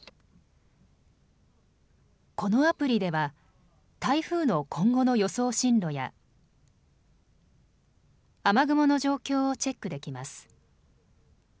このアプリでは台風の今後の予想進路や雨雲の状況をチェックできます。